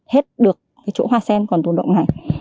hết được chỗ hoa sen còn tồn động này